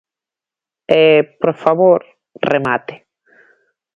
E, por favor, remate.